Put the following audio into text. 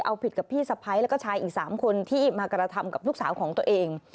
เอาผิดกับพี่สะพ้ายแล้วก็ชายอีก๓คนที่มากระทำกับลูกสาวของตัวเอง